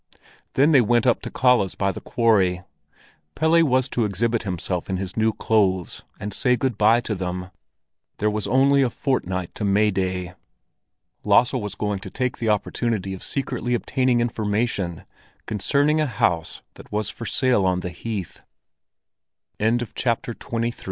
Then they went up to Kalle's by the quarry. Pelle was to exhibit himself in his new clothes, and say good bye to them; there was only a fortnight to May Day. Lasse was going to take the opportunity of secretly obtaining information concerning a house that was for sale on the heath. XXIV They still tal